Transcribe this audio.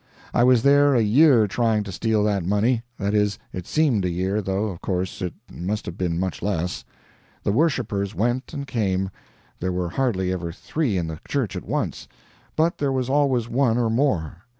I was there a year trying to steal that money; that is, it seemed a year, though, of course, it must have been much less. The worshipers went and came; there were hardly ever three in the church at once, but there was always one or more.